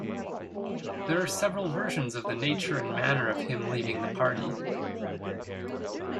There are several versions of the nature and manner of him leaving the party.